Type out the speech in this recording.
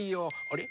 あれ？